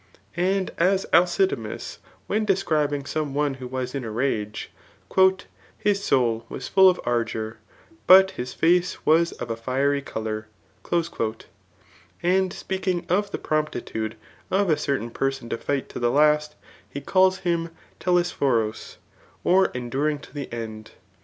And as Alcidaiaas [when describing some one who was in a rage J '^ His soul was full of ardour, but his £ice was of a fiery colour/' And speaking of the promptitude of a certain person to fight to the last, he calls him kkspfioros^ or enduring to the end.